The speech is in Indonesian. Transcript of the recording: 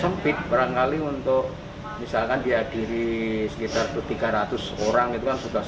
sempit barangkali untuk misalkan dihadiri sekitar tiga ratus orang itu kan sudah